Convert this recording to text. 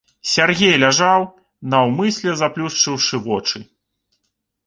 Сяргей ляжаў, наўмысля заплюшчыўшы вочы.